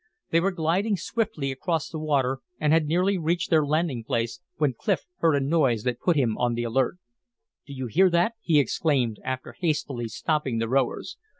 They were gliding swiftly across the water, and had nearly reached their landing place, when Clif heard a noise that put him on the alert. "Do you hear that?" he exclaimed, after hastily stopping the rowers.